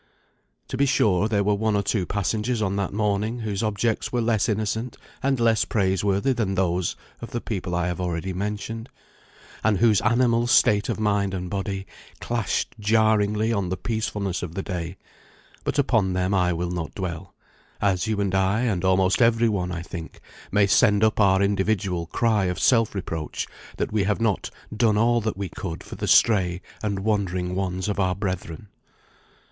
To be sure, there were one or two passengers on that morning whose objects were less innocent and less praiseworthy than those of the people I have already mentioned, and whose animal state of mind and body clashed jarringly on the peacefulness of the day; but upon them I will not dwell: as you and I, and almost every one, I think, may send up our individual cry of self reproach that we have not done all that we could for the stray and wandering ones of our brethren.